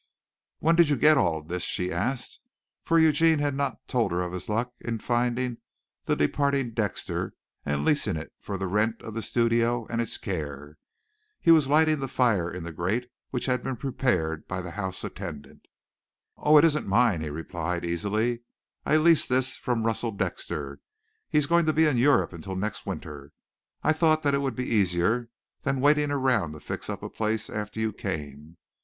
"When did you get all this?" she asked, for Eugene had not told her of his luck in finding the departing Dexter and leasing it for the rent of the studio and its care. He was lighting the fire in the grate which had been prepared by the house attendant. "Oh, it isn't mine," he replied easily. "I leased this from Russell Dexter. He's going to be in Europe until next winter. I thought that would be easier than waiting around to fix up a place after you came.